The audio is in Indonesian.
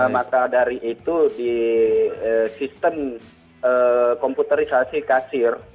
maka dari itu di sistem komputerisasi kasir